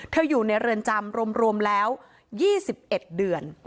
อยู่ในเรือนจำรวมแล้ว๒๑เดือน